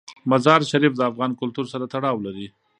مزارشریف د افغان کلتور سره تړاو لري.